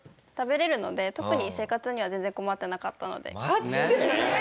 マジで！？